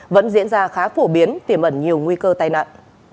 vẫn diễn ra khá phổ biến tiềm ẩn nhiều nguy cơ tai nạn